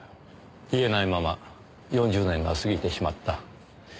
言えないまま４０年が過ぎてしまった。